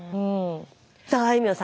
さああいみょん